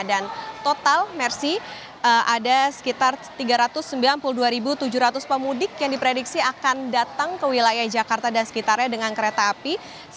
dan total mersi ada sekitar tiga ratus sembilan puluh dua tujuh ratus pemudik yang diprediksi akan datang ke wilayah jakarta dan sekitarnya dengan kereta api